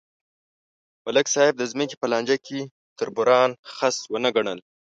ملک صاحب د ځمکې په لانجه کې تربوران خس ونه ګڼل.